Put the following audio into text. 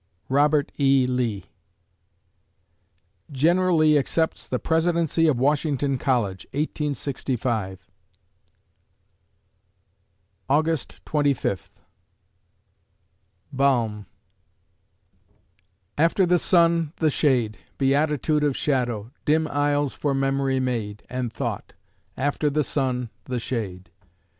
ROBERT E. LEE General Lee accepts the Presidency of Washington College, 1865 August Twenty Fifth BALM After the sun, the shade, Beatitude of shadow, Dim aisles for memory made, And Thought; After the sun, the shade.